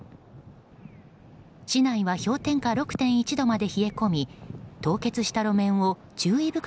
市内は氷点下６．１度まで冷え込み凍結した路面を注意